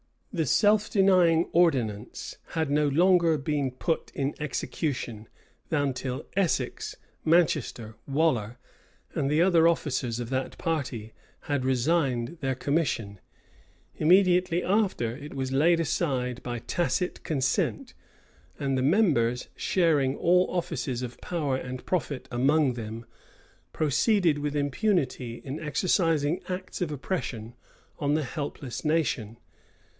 The self denying ordinance had no longer been put in execution, than till Essex, Manchester, Waller, and the other officers of that party, had resigned their commission: immediately after, it was laid aside by tacit consent; and the members, sharing all offices of power and profit among them, proceeded with impunity in exercising acts of oppression on the helpless nation.